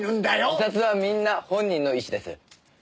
自殺はみんな本人の意思です。